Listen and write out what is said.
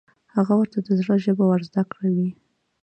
هغه ورته د زړه ژبه ور زده کوي.